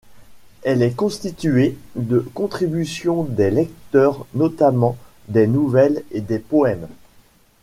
Elle est constituée de contributions des lecteurs, notamment des nouvelles et des poèmes.